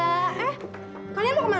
eh kalian mau kemana